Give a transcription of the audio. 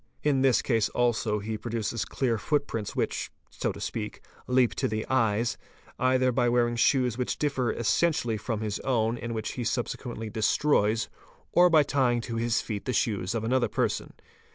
In this case also he produces clear footprints which, so to speak, leap to the eyes, either by wearing shoes which differ essentially from his own and which he subsequently destroys, or by tying to his 'feet the shoes of another person.